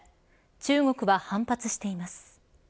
中国は反発しています。